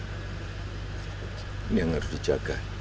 ini yang harus dijaga